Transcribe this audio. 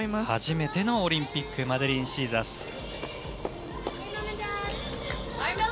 初めてのオリンピックマデリン・シーザス。